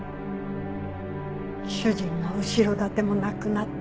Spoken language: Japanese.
主人の後ろ盾もなくなった